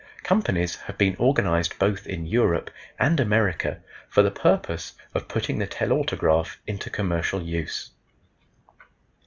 Companies have been organized both in Europe and America for the purpose of putting the telautograph into commercial use.